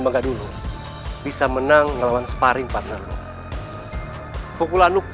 makanya juga udah balik